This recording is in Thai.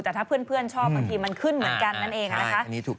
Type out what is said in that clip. แต่ถ้าเพื่อนชอบบางทีมันขึ้นเหมือนกันนั่นเองนะคะ